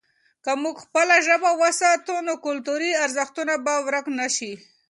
که موږ خپله ژبه وساتو، نو کلتوري ارزښتونه به ورک نه سي.